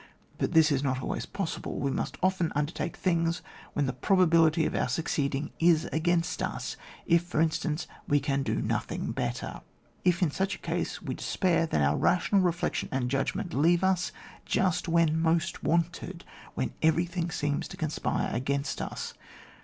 But this is not always possible; we must often undertake things when the probability oi our succeeding is against us, if^ for m atance, we can do nothing better. If, in such a case, we despair, then our rational re flection and judgment leave us just when most wanted, when everything seems to conspire against us.